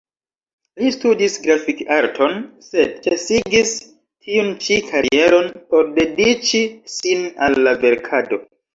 Li studis grafik-arton, sed ĉesigis tiun ĉi karieron, por dediĉi sin al la verkado.